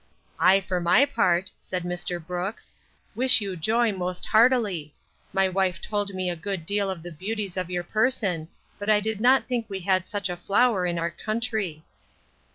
I, for my part, said Mr. Brooks, wish you joy most heartily. My wife told me a good deal of the beauties of your person; but I did not think we had such a flower in our country.